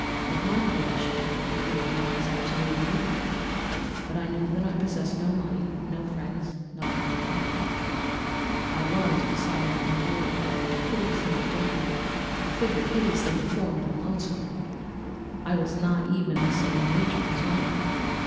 Of my creation and creator I was absolutely ignorant, but I knew that I possessed no money, no friends, no kind of property. I was, besides, endued with a figure hideously deformed and loathsome; I was not even of the same nature as man.